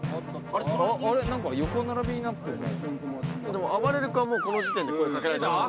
でもあばれる君はこの時点で声掛けられてましたよね。